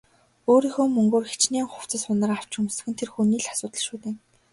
Өөрийнхөө мөнгөөр хэчнээн хувцас хунар авч өмсөх нь тэр хүний л асуудал шүү дээ.